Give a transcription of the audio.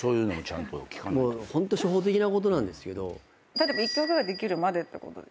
例えば一曲ができるまでってことですか？